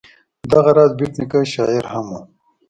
دغه راز بېټ نیکه شاعر هم و.